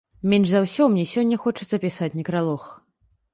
Менш за ўсё мне сёння хочацца пісаць некралог.